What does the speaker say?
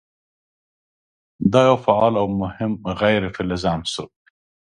دا یو فعال او مهم غیر فلز عنصر دی.